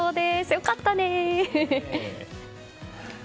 よかったね！